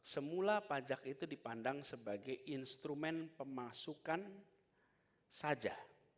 semula pajak itu dipandang sebagai instrumen pemasukan saja